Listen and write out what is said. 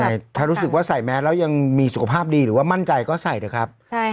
แต่ถ้ารู้สิว่าใส่แม้แล้วยังมีสุขภาพดีหรือว่ามั่นใจก็ใส่ก่อนนะครับ